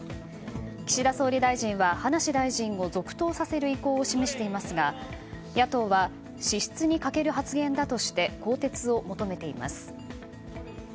岸田総理大臣は、葉梨大臣を続投させる意向を示していますが野党は資質に欠ける発言だとして更迭を求めています。